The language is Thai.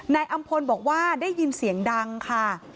นายอำพลบอกว่าได้ยินเสียงดังค่ะ